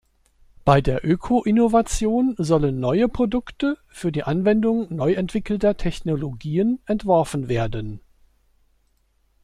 Bei der Öko-Innovation sollen neue Produkte für die Anwendung neu entwickelter Technologien entworfen werden.